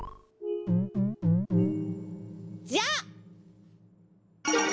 じゃあ！